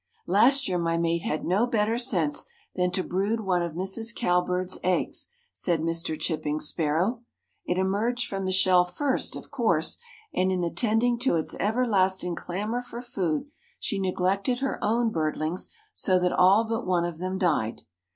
"Last year my mate had no better sense than to brood one of Mrs. Cowbird's eggs," said Mr. Chipping Sparrow. "It emerged from the shell first, of course, and in attending to its everlasting clamor for food she neglected her own birdlings so that all but one of them died.